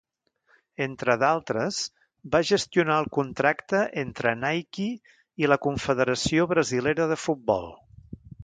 Entre d'altres, va gestionar el contracte entre Nike i la Confederació Brasilera de Futbol.